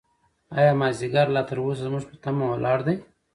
ایا مازیګر لا تر اوسه زموږ په تمه ولاړ دی؟